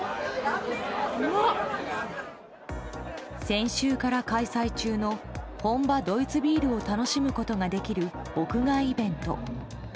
先週から開催中の本場ドイツビールを楽しむことができる屋外イベント。